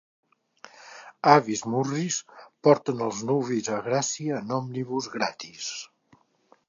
Avis murris porten els nuvis a Gràcia en òmnibus gratis.